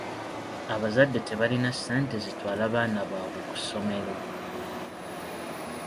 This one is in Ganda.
Abazadde tebalina ssente zitwala baana baabwe ku ssomero.